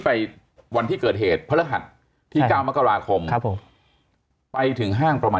วันที่เกิดเหตุพระรหัสที่เก้ามกราคมครับผมไปถึงห้างประมาณ